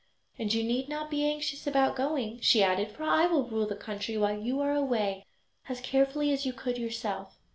"And you need not be anxious about going," she added, "for I will rule the country while you are away as carefully as you could yourself."